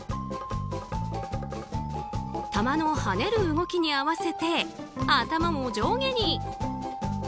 球の跳ねる動きに合わせて頭も上下に。